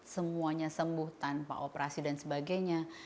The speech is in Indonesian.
semuanya sembuh tanpa operasi dan sebagainya